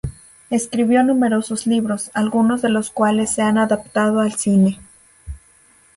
Escribió numerosos libros, algunos de los cuales se han adaptado al cine.